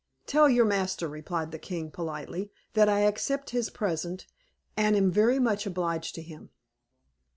"Tell your master," replied the king, politely, "that I accept his present, and am very much obliged to him."